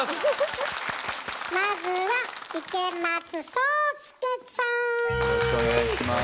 まずはよろしくお願いします。